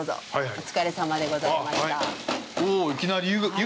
お疲れさまでございました。